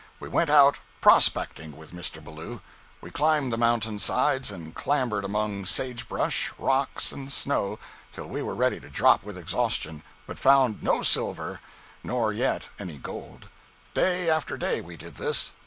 We went out "prospecting" with Mr. Ballou. We climbed the mountain sides, and clambered among sage brush, rocks and snow till we were ready to drop with exhaustion, but found no silver—nor yet any gold. Day after day we did this.